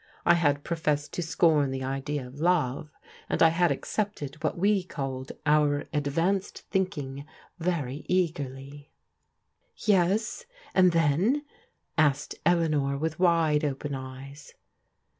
I had professed to scorn the idea of love, and I had accepted what we called our advanced thinking very eagerly." " Yes, and then? " asked Eleanor with wide open eyes.